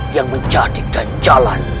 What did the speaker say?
yang menjadikan jalan